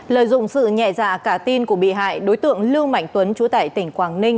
lợi dụng sự nhẹ dạ cả tin của bị hại đối tượng lưu mạnh tuấn chú tại tỉnh quảng ninh